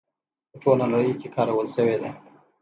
په ټوله نړۍ کې کارول شوې ده.